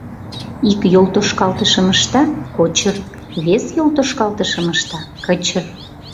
Ик йолтошкалтышым ышта — кочыр, вес йолтошкалтышым ышта — кычыр.